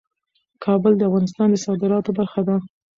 کابل د افغانستان د صادراتو برخه ده.